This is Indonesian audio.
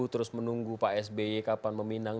terus menunggu pak sby kapan meminang